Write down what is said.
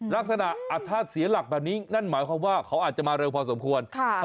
ลักษณะถ้าเสียหลักแบบนี้นั่นหมายความว่าเขาอาจจะมาเร็วพอสมควร